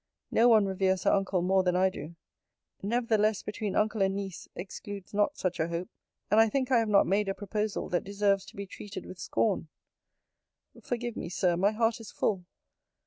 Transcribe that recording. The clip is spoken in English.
No one reveres her uncle more than I do. Nevertheless, between uncle and niece, excludes not such a hope: and I think I have not made a proposal that deserves to be treated with scorn. Forgive me, Sir my heart is full.